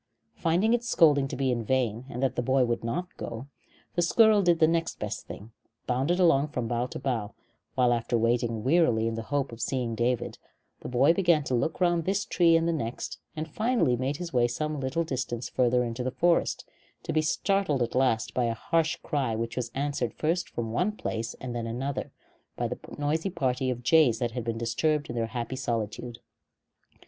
Finding its scolding to be in vain, and that the boy would not go, the squirrel did the next best thing bounded along from bough to bough; while, after waiting wearily in the hope of seeing David, the boy began to look round this tree and the next, and finally made his way some little distance farther into the forest, to be startled at last by a harsh cry which was answered from first one place and then another by the noisy party of jays that had been disturbed in their happy solitude.